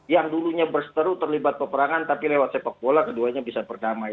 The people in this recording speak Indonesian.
yang dulunya berseteru terlibat peperangan tapi lewat sepak bola keduanya bisa berdamai